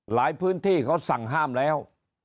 พื้นที่เขาสั่งห้ามแล้ว